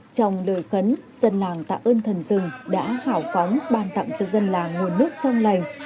trong đời khấn dân làng tạ ơn thần rừng đã hảo phóng ban tặng cho dân làng nguồn nước trong lành